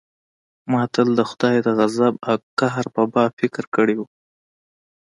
ما تل د خداى د غضب او قهر په باب فکر کړى و.